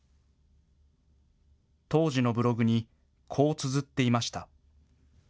当時のブログに、こうつづっていました。